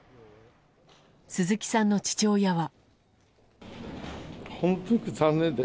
鈴木さんの父親は。